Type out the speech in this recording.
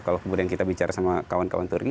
kalau kemudian kita bicara sama kawan kawan turki